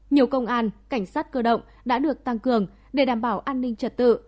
nhiều công an cảnh sát cơ động đã được tăng cường để đảm bảo an ninh trật tự